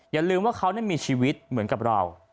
อย่าลืมว่าเขามีชีวิตเหมือนกับเรา